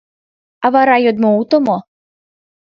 — А вара йодмо уто мо?